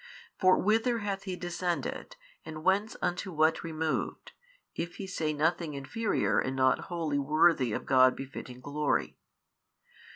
For whither hath He descended, and whence unto what removed, if He say nothing inferior and not wholly worthy of God befitting glory?